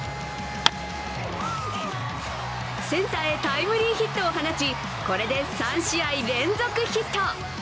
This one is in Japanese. センターへタイムリーヒットを放ち、これで３試合連続ヒット。